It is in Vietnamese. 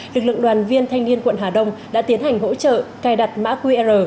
lực lượng đoàn viên thanh niên quận hà đông đã tiến hành hỗ trợ cài đặt mã qr